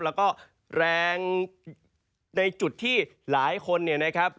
แล้วก็แรงในจุดที่หลายคนเนี่ยนะครับ